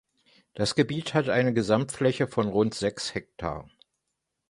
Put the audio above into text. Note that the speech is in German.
Das Gebiet hat eine Gesamtfläche von rund sechs Hektar.